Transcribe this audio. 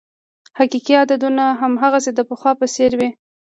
حقیقي عددونه هماغسې د پخوا په څېر وې.